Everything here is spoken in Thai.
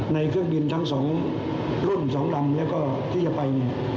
ในเครื่องบินทั้งสองรุ่นสองลำแล้วก็ที่จะไป